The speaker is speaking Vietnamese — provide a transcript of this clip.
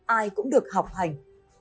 ai cũng được học hành